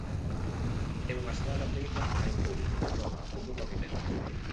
É unha estrada feita hai pouco, nova, con bo pavimento.